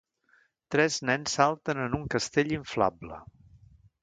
Tres nens salten en un castell inflable.